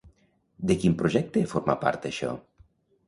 De quin projecte forma part això?